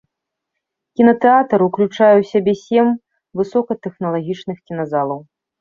Кінатэатр уключае ў сябе сем высокатэхналагічных кіназалаў.